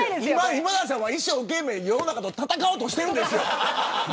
今田さんは一生懸命、世の中と戦おうとしてるんですよ。